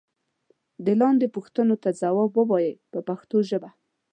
دې لاندې پوښتنو ته ځواب و وایئ په پښتو ژبه.